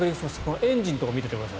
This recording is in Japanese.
エンジンのところを見ていてください。